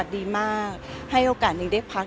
ดีมากให้โอกาสนิ้งได้พัก